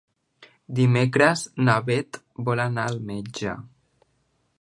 Dimecres na Beth vol anar al metge.